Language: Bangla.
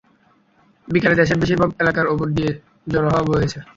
বিকেলে দেশের বেশির ভাগ এলাকার ওপর দিয়ে ঝোড়ো হাওয়া বয়ে গেছে।